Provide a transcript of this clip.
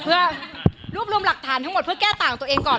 เพื่อแก้ต่างตัวเองก่อน